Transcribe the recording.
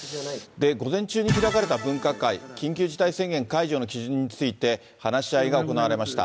午前中に開かれた分科会、緊急事態宣言解除の基準について話し合いが行われました。